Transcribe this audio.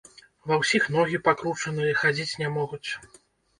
Ва ўсіх ногі пакручаныя, хадзіць не могуць.